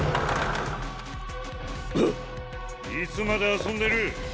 いつまで遊んでる。